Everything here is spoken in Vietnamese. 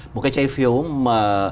một cái trái phiếu mà